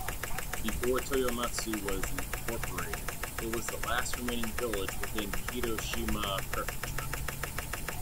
Before Toyomatsu was incorporated, it was the last remaining village within Hiroshima Prefecture.